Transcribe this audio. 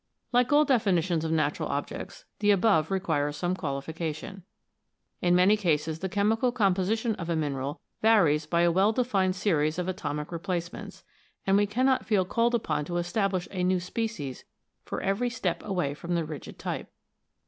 Like all definitions of natural objects, the above requires some qualification. In many cases the chemical composition of a mineral varies by a well i] ON ROCKS IN GENERAL 7 defined series of atomic replacements, and we cannot feel called upon to establish a new species for every step away from the rigid type.